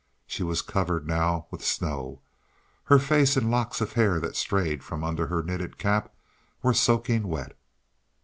She was covered now with snow. Her face and the locks of hair that strayed from under her knitted cap were soaking wet.